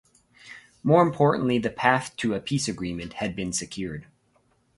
More importantly, the path to a peace agreement had been secured.